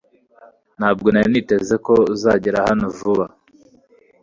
Ntabwo nari niteze ko uzagera hano vuba